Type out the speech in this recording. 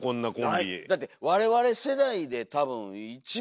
だって我々世代で多分一番仲いい。